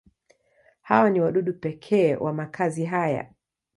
Hawa ni wadudu pekee wa makazi haya.